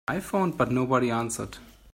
I phoned but nobody answered.